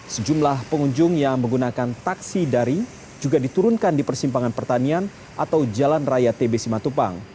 sejumlah pengunjung yang menggunakan taksi dari juga diturunkan di persimpangan pertanian atau jalan raya tbc matupang